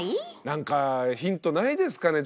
なんかヒントないですかね